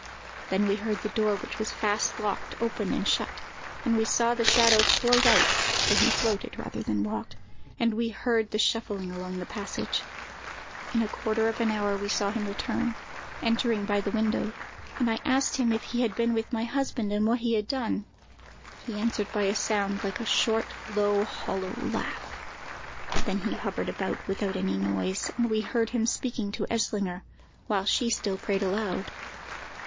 Then we heard the door, which was fast locked, open and shut; and we saw the shadow float out (for he floated rather than walked), and we heard the shuffling along the passage. "In a quarter of an hour we saw him return, entering by the window; and I asked him if he had been with my husband, and what he had done. He answered by a sound like a short, low, hollow laugh. Then he hovered about without any noise, and we heard him speaking to Eslinger, while she still prayed aloud.